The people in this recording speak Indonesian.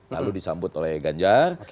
lalu disambut oleh ganjar